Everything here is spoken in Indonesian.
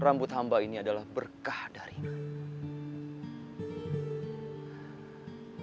rambut saya ini adalah berkah dari allah